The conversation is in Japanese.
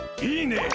いいね。